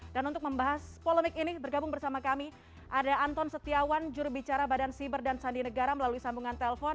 dan untuk membahas polemik ini bergabung bersama kami ada anton setiawan jurubicara badan siber dan sandi negara melalui sambungan telpon